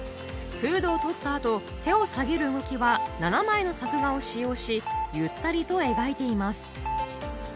フードを取った後手を下げる動きは７枚の作画を使用しゆったりと描いています